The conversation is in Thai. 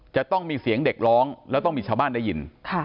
จะต้องมีเสียงเด็กร้องแล้วต้องมีชาวบ้านได้ยิน